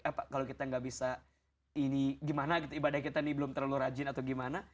apa kalau kita nggak bisa ini gimana ibadah kita ini belum terlalu rajin atau gimana